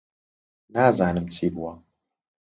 نازانم چی بووە.